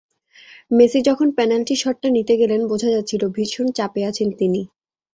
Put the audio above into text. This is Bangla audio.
মেসি যখন পেনাল্টি শটটা নিতে গেলেন, বোঝা যাচ্ছিল, ভীষণ চাপে আছেন তিনি।